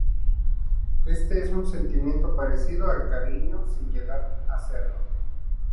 Este es un sentimiento parecido al cariño, sin llegar a serlo.